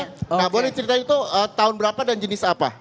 nah boleh cerita itu tahun berapa dan jenis apa